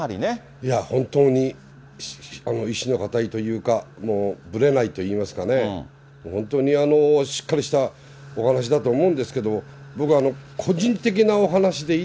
いや、本当に意志の固いというか、もうぶれないといいますかね、本当にしっかりしたお話だと思うんですけども、はい。